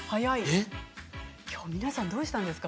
きょう皆さんどうしたんですか？